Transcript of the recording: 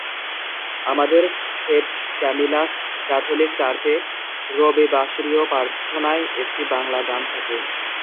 আমাদের saint Camillus Catholic চার্চে রবিবাসরিয় প্রার্থনায় একটি বাংলা গান থাকে।